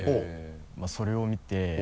まぁそれを見て。